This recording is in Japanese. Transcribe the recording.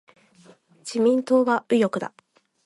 自民党は右翼だ。